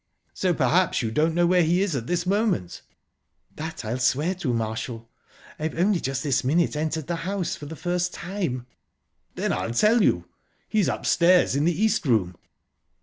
"So perhaps you don't know where he is at this moment?" "That I'll swear to, Marshall. I've only just this minute entered the house for the first time." "Then I'll tell you. He's upstairs in the East Room"...